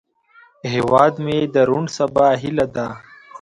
هیواد مې د روڼ سبا هیله ده